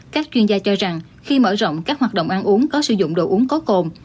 các chuyên gia cho rằng khi mở rộng các hoạt động ăn uống có sử dụng đồ uống có cồn